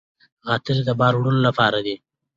غاتري د بار وړلو لپاره دي.